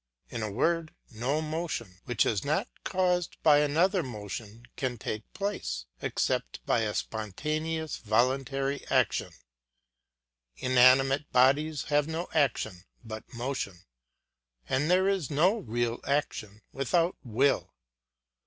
In a word, no motion which is not caused by another motion can take place, except by a spontaneous, voluntary action; inanimate bodies have no action but motion, and there is no real action without will.